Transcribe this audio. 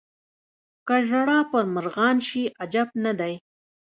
که ژړا پر مرغان شي عجب نه دی.